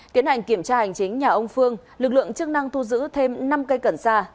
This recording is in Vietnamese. tiến hành kiểm tra hành chính nhà ông phương lực lượng chức năng thu giữ thêm năm cây cần sa